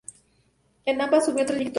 En ambas, sumó tres victorias.